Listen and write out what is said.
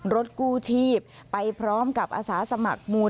รถกู้ชีพไปพร้อมกับอาสาสมัครมูล